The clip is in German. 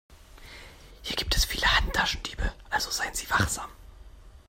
Hier gibt es viele Handtaschendiebe, also seien Sie wachsam.